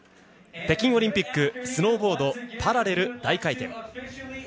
北京オリンピックスノーボード・パラレル大回転。